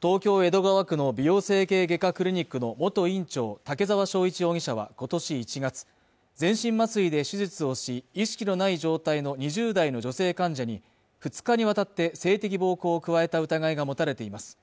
東京江戸川区の美容整形外科クリニックの元院長竹沢章一容疑者は今年１月全身麻酔で手術をし意識のない状態の２０代の女性患者に２日にわたって性的暴行を加えた疑いが持たれています